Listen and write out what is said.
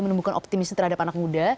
menemukan optimis terhadap anak muda